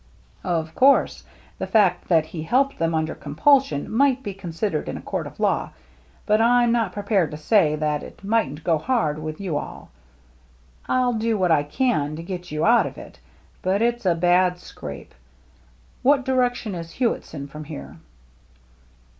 " Of course, the fact that he helped them under compulsion might be considered in a court of law, but I'm not prepared to say that it mightn't go hard with you all. I'll do what I can to get you out of it, but it's a bad scrape. What direction is Hewittson from here